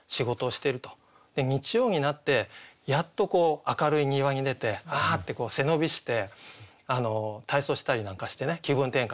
日曜になってやっとこう明るい庭に出て「あ」って背伸びして体操したりなんかしてね気分転換してると。